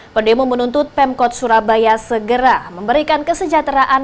pendemo menuntut pemkot surabaya segera memberikan kesejahteraan